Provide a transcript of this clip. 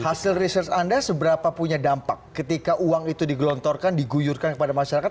hasil research anda seberapa punya dampak ketika uang itu digelontorkan diguyurkan kepada masyarakat